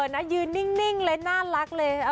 นะยืนนิ่งเลยน่ารักเลย